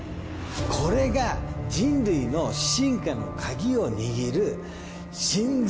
これが人類の進化のカギを握る神像